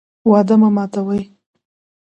وعده مه ماتوئ